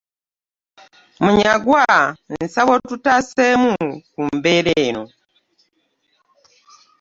Munyagwa nsaba otutaaseemu ku mbeera eno.